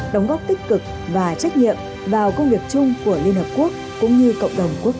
đóng góp tích cực và trách nhiệm vào công việc chung của liên hợp quốc cũng như cộng đồng quốc